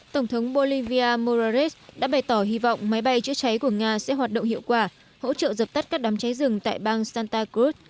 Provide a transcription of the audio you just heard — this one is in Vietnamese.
tổng thống bolivia morales đã bày tỏ hy vọng máy bay chữa cháy của nga sẽ hoạt động hiệu quả hỗ trợ dập tắt các đám cháy rừng tại bang santa cruz